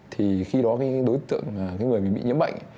thì khi đó đối tượng người bị nhiễm bệnh